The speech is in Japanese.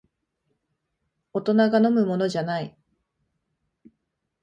大人が飲むものじゃない